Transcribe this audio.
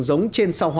giống trên sao hỏa